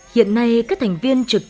hiện nay các thành viên trực tiếp